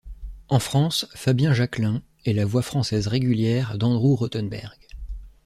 En France, Fabien Jacquelin est la voix française régulière d'Andrew Rothenberg.